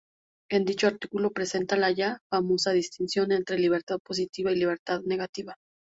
En dicho artículo presenta la ya famosa distinción entre libertad positiva y libertad negativa.